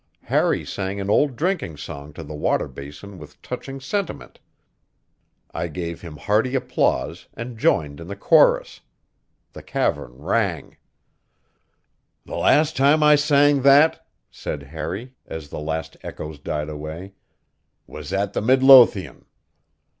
Harry sang an old drinking song to the water basin with touching sentiment; I gave him hearty applause and joined in the chorus. The cavern rang. "The last time I sang that," said Harry as the last echoes died away, "was at the Midlothian.